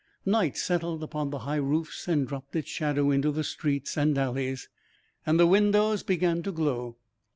Night settled upon the high roofs and dropped its shadow into the streets and alleys, and the windows began to glow.